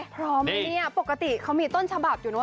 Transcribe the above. พร้อมไหมเนี่ยปกติเขามีต้นฉบับอยู่เนอ